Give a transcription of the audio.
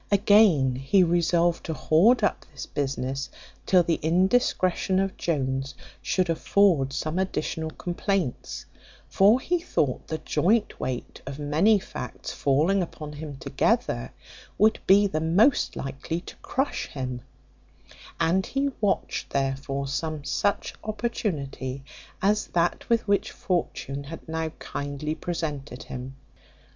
Again, he resolved to hoard up this business, till the indiscretion of Jones should afford some additional complaints; for he thought the joint weight of many facts falling upon him together, would be the most likely to crush him; and he watched, therefore, some such opportunity as that with which fortune had now kindly presented him.